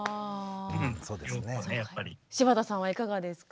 柴田さんはいかがですか？